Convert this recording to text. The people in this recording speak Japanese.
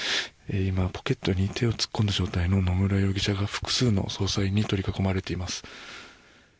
今、ポケットに手を突っ込んだ状態の野村容疑者が複数の捜査員に取り囲まれています。